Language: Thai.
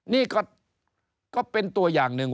นี่ก็เป็นตัวอย่างหนึ่ง